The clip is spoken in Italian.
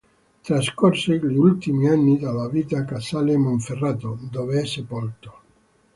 Trascorse gli ultimi anni della vita a Casale Monferrato, dove è sepolto.